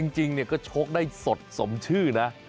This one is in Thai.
จริงก็โชคได้สดสมชื่อนะดีกว่า